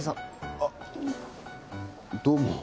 あっどうも